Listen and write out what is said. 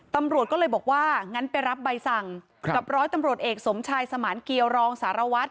ตำรวจก็เลยบอกว่างั้นไปรับใบสั่งกับร้อยตำรวจเอกสมชายสมานเกียวรองสารวัตร